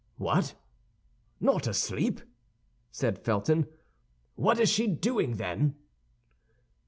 "What, not asleep!" said Felton; "what is she doing, then?"